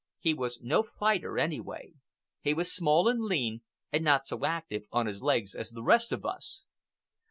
He was no fighter anyway. He was small and lean, and not so active on his legs as the rest of us.